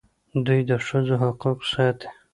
دوی د ښځو حقوق ساتي.